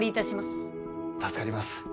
助かります。